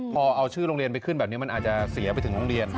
พอเอาชื่อโรงเรียนไปขึ้นแบบนี้มันอาจจะเสียไปถึงโรงเรียน